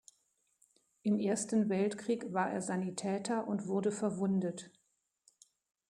Im Ersten Weltkrieg war er Sanitäter und wurde verwundet.